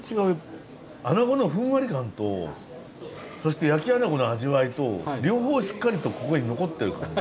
あなごのふんわり感とそして焼きあなごの味わいと両方しっかりとここに残ってる感じ。